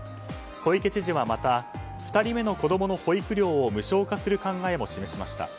小池知事はまた２人目の子供の保育料を無償化する考えも示しました。